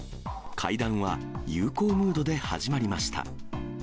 会談は友好ムードで始まりました。